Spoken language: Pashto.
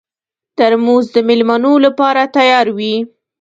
ترموز د مېلمنو لپاره تیار وي.